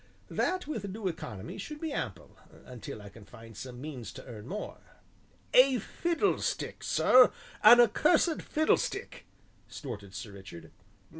"That, with due economy, should be ample until I can find some means to earn more." "A fiddlestick, sir an accursed fiddlestick!" snorted Sir Richard.